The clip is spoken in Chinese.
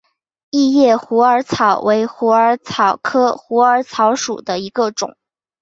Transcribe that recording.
异叶虎耳草为虎耳草科虎耳草属下的一个种。